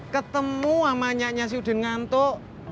ketemu sama nyaknya si udin ngantuk